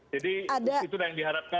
jadi itu sudah yang diharapkan